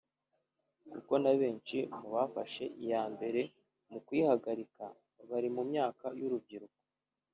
kuko n’abenshi mu bafashe iya mbere mu kuyihagarika bari mu myaka y’urubyiruko